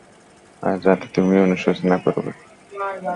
আজ রাতে তুমি অনুশোচনা করবে।